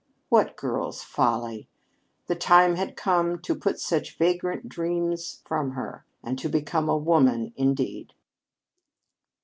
What girl's folly! The time had come to put such vagrant dreams from her and to become a woman, indeed.